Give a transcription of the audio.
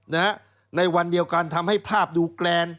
ในวันเดียวกันทำให้ภาพดูแกรน